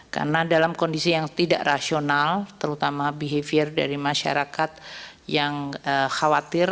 karena dalam kondisi yang tidak rasional terutama behavior dari masyarakat yang khawatir